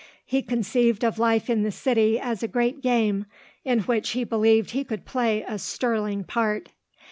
He conceived of life in the city as a great game in which he believed he could play a sterling part.